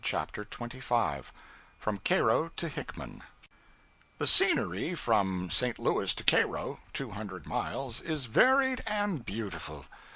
CHAPTER 25 From Cairo to Hickman THE scenery, from St. Louis to Cairo two hundred miles is varied and beautiful.